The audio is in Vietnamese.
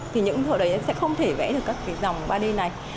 thì những thợ đấy sẽ không thể vẽ được các cái dòng ba d này